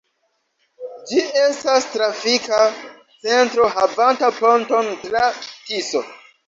Ĝi estas trafika centro havanta ponton tra Tiso.